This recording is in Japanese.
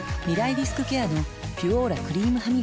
リスクケアの「ピュオーラ」クリームハミガキ